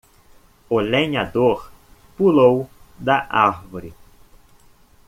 O lenhador pulou da árvore.